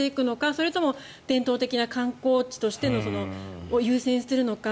それとも伝統的な観光地としてを優先するのか。